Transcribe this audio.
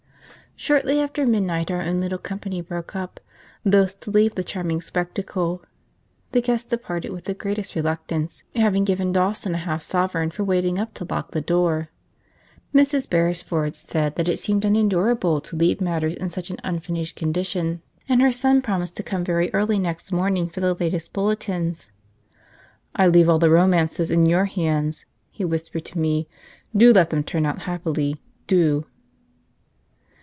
Shortly after midnight our own little company broke up, loath to leave the charming spectacle. The guests departed with the greatest reluctance, having given Dawson a half sovereign for waiting up to lock the door. Mrs. Beresford said that it seemed unendurable to leave matters in such an unfinished condition, and her son promised to come very early next morning for the latest bulletins. "I leave all the romances in your hands," he whispered to me; "do let them turn out happily, do!"